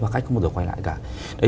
và khách không bao giờ quay lại cả